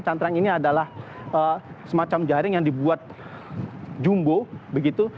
cantrang ini adalah semacam jaring yang dibuat jumbo begitu